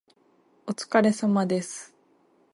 お疲れ様です。